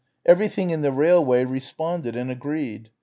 Everything in the railway responded and agreed.